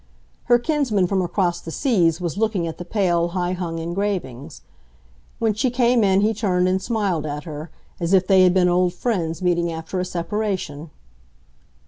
Her kinsman from across the seas was looking at the pale, high hung engravings. When she came in he turned and smiled at her, as if they had been old friends meeting after a separation.